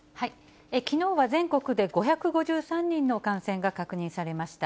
きのうは全国で５５３人の感染が確認されました。